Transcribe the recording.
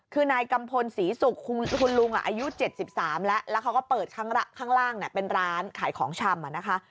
คือนายกัมพลศรีศุกร์คุณลุงอายุ๗๓แล้วแล้วเขาก็เปิดข้างล่างเป็นร้านขายของชำนะคะ